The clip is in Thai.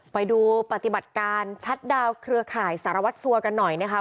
ไปดูปฏิบัติการชาร์จได้เครือข่ายสารวัตรสัวร์กันหน่อยนะครับ